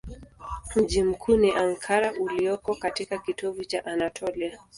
Mji mkuu ni Ankara ulioko katika kitovu cha Anatolia.